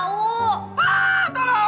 juragan jahat banget sih